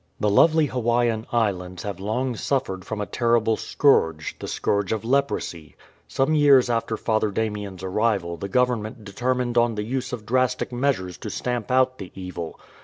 The lovely Hawaiian Islands have long suffered from a terrible scourge, the scourge of leprosy. Some years after Father Damien'*s arrival the Government determined on the use of drastic measures to stamp out the evil.